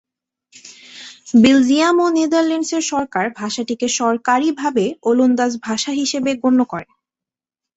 Belgium ও নেদারল্যান্ডসের সরকার ভাষাটিকে সরকারিভাবে ওলন্দাজ ভাষা হিসেবে গণ্য করে।